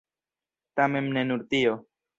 Tamen ne nur tio.